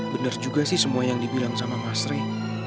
benar juga sih semua yang dibilang sama mas rey